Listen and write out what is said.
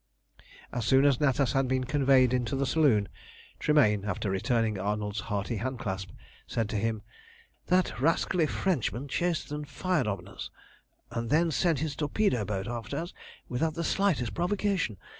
As soon as Natas had been conveyed into the saloon, Tremayne, after returning Arnold's hearty handclasp, said to him "That rascally Frenchman chased and fired on us, and then sent his torpedo boat after us, without the slightest provocation.